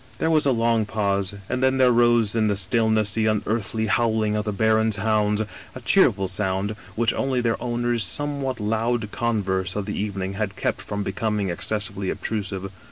" There was a long pause, and then there rose in the stillness the unearthly howling of the baron's hounds, a cheerful sound which only their owner's somewhat loud converse of the evening had kept from becoming ex cessively obtrusive.